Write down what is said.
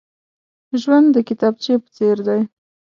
ژوند د کتابچې په څېر دی.